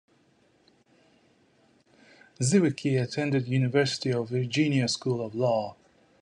Zywicki attended University of Virginia School of Law.